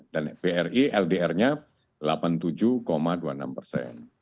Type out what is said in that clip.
dan bri ldr nya delapan puluh tujuh dua puluh enam persen